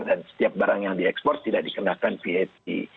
setiap barang yang diekspor tidak dikenakan vat